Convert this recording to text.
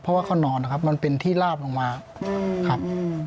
เพราะว่าเขานอนนะครับมันเป็นที่ลาบลงมาครับ